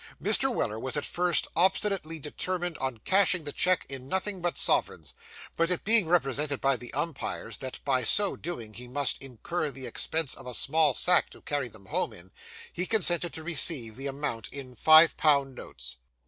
Mr. Weller was at first obstinately determined on cashing the cheque in nothing but sovereigns; but it being represented by the umpires that by so doing he must incur the expense of a small sack to carry them home in, he consented to receive the amount in five pound notes.